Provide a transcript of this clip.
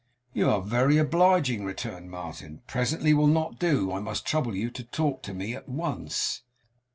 'You are very obliging,' returned Martin; 'presently will not do. I must trouble you to talk to me at once.